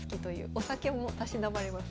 お酒もたしなまれます。